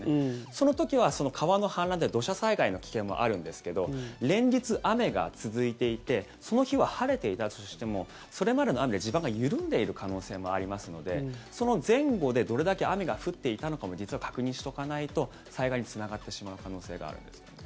その時は川の氾濫とか土砂災害の危険もあるんですけど連日、雨が続いていてその日は晴れていたとしてもそれまでの雨で地盤が緩んでいる可能性もありますのでその前後でどれだけ雨が降っていたのかも実は確認しておかないと災害につながってしまう可能性があるんですよね。